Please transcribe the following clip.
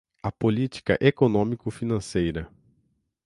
a política econômico-financeira